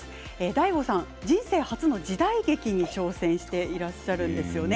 ＤＡＩＧＯさん人生初の時代劇に挑戦していらっしゃるんですよね。